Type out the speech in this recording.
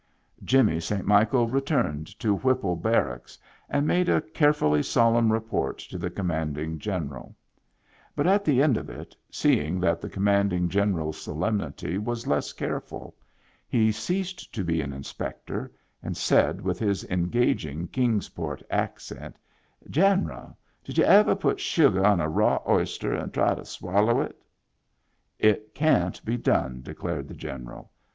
Digitized by Google Ii6 MEMBERS OF THE FAMILY Jimmy St. Michael returned to Whipple Bar racks and made a carefully solemn report to the Commanding General ; but at the end of it, seeing that the Commanding General's solemnity was less careful, he ceased to be an inspector, and said with his engaging Kings Port accent: " General, did you ever put sugar on a raw oys ter and try to swallow it ?"" It can't be done !" declared the General.